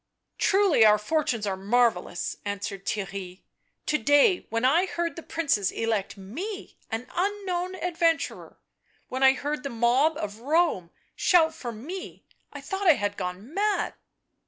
" Truly our fortunes are marvellous," answered Theirry. " To day — when I heard the Princes elect me — an unknown adventurer !— when I heard the mob of Rome shout for me — I thought I had gone mad!"